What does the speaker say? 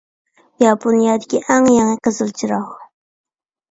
ياپونىيەدىكى ئەڭ يېڭى قىزىل چىراغ.